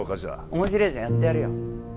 面白えじゃんやってやるよ